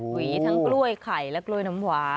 หวีทั้งกล้วยไข่และกล้วยน้ำหวา